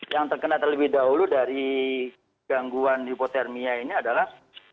yang terkena terlebih dahulu dari gangguan hipotermia ini adalah